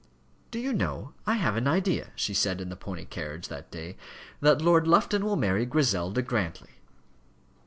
"Do you know, I have an idea," she said in the pony carriage that day, "that Lord Lufton will marry Griselda Grantly."